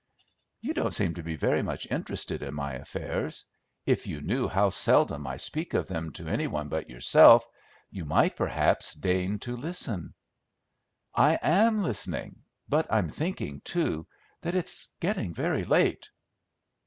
You don't seem to be very much interested in my affairs; if you knew how seldom I speak of them to any one but yourself, you might perhaps deign to listen." "I am listening; but I'm thinking, too, that it's getting very late."